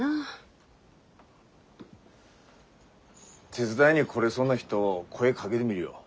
手伝いに来れそうな人声かげでみるよ。